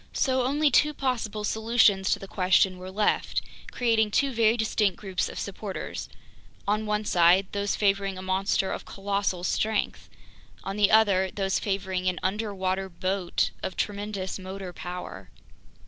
So only two possible solutions to the question were left, creating two very distinct groups of supporters: on one side, those favoring a monster of colossal strength; on the other, those favoring an "underwater boat" of tremendous motor power.